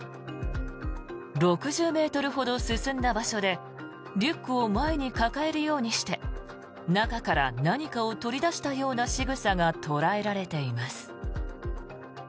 ６０ｍほど進んだ場所でリュックを前に抱えるようにして中から何かを取り出したようなしぐさが捉えられています。